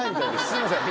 すいません。